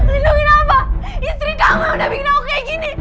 lindungi apa istri kamu udah bikin aku kayak gini